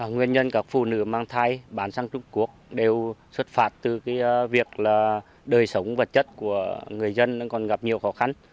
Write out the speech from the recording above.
nguyên nhân các phụ nữ mang thai bán sang trung quốc đều xuất phát từ việc đời sống vật chất của người dân còn gặp nhiều khó khăn